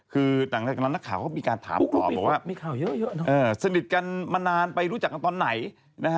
คือดังนั้นนักข่าวเขาก็มีการถามต่อบอกว่าสนิทกันมานานไปรู้จักกันตอนไหน